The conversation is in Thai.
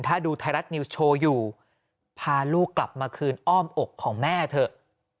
ถ้าดูไทยรัฐนิวส์โชว์อยู่พาลูกกลับมาคืนอ้อมอกของแม่เถอะ